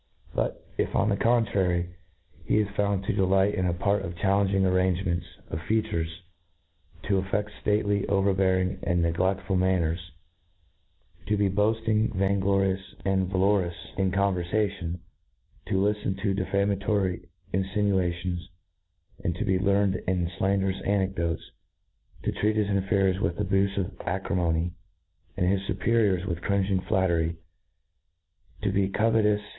But if, on the INTRODUCTION^ 93 I the contrary,, he is found to delight in a pert challenging^ arrangement of features— to aflfefl: (lately, overbearing, and negleftful manner s to be boafting, *vain glorious, and valorous in converfation ^— 40 liften to defamatory infinua tions^ and to be learned in Ilanderous anecdotes to treat his inferiors with abufive acrimony, and his fuperiors with cringing flatter y t o be covetous